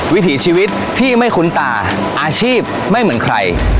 วิถีชีวิตที่ไม่คุ้นตาอาชีพไม่เหมือนใคร